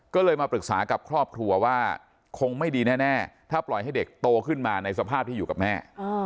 ก็เลยมาปรึกษากับครอบครัวว่าคงไม่ดีแน่ถ้าปล่อยให้เด็กโตขึ้นมาในสภาพที่อยู่กับแม่